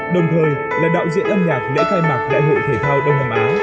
đồng thời là đạo diễn âm nhạc đã khai mạc đại hội thể thao đông nam á